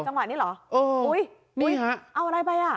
จังหวะนี้เหรอเอออุ้ยนี่ฮะเอาอะไรไปอ่ะ